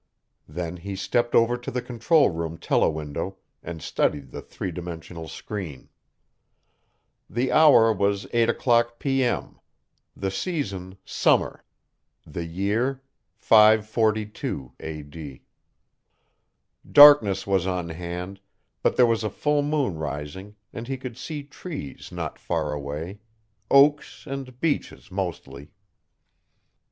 Then he stepped over to the control room telewindow and studied the three dimensional screen. The hour was 8:00 p.m.; the season, summer; the Year 542 A.D. Darkness was on hand, but there was a full moon rising and he could see trees not far away oaks and beeches, mostly.